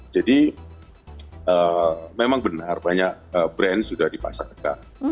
jadi memang benar banyak brand sudah dipasang dekat